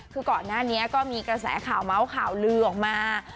คือก่อนหน้านี้ก็มีกระแสข่าวเมาส์ข่าวลือออกมา